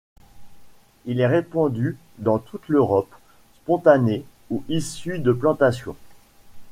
Il est répandu dans toute l'Europe, spontané ou issu de plantation.